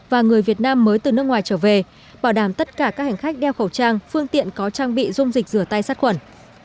và người việt nam mới từ nước ngoài trở về bảo đảm tất cả các hành khách đeo khẩu trang phương tiện có trang bị dung dịch rửa tay sát khuẩn